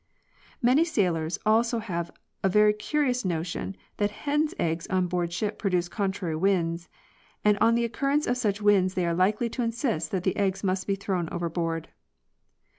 Many sailors also have a very curious notion that hen's eggs on board ship produce contrary winds, and on the occurrence of such winds they are likely to insist that the eggs must be thrown overboard.